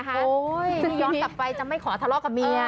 โอ้ยย้อนกลับไปจะไม่ขอถารอกกับเมีย